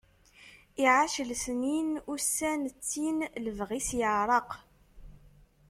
Iɛac lesnin, ussan ttin, lebɣi-s yeɛreq.